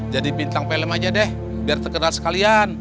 jadi bintang pelem aja deh biar terkenal sekalian